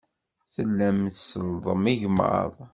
Tellam tsellḍem igmaḍ.